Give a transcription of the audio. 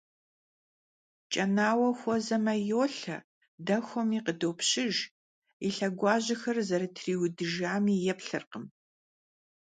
Ç'enaue xuezeme, yolhe, dexuemi khıdopşıjj, yi lheguajexer zerıtriudıjjami yêplhırkhım.